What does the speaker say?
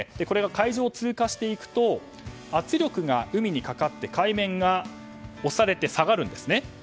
これが海上を通過していくと圧力が海にかかって海面が押されて、下がるんですね。